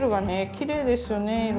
きれいですよね色が。